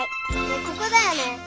ここだよね？